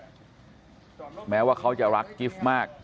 ตรของหอพักที่อยู่ในเหตุการณ์เมื่อวานนี้ตอนค่ำบอกให้ช่วยเรียกตำรวจให้หน่อย